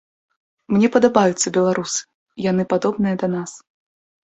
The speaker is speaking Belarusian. Мне падабаюцца беларусы, яны падобныя да нас.